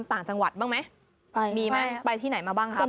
ต่างจังหวัดบ้างไหมไปมีไหมไปที่ไหนมาบ้างครับ